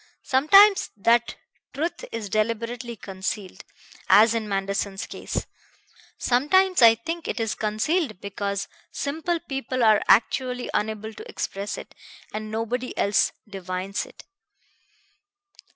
Sometimes that truth is deliberately concealed, as in Manderson's case. Sometimes, I think, it is concealed because simple people are actually unable to express it, and nobody else divines it."